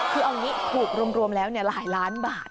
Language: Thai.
คือเอางี้ถูกรวมแล้วหลายล้านบาท